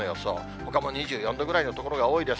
ほかも２４度ぐらいの所が多いです。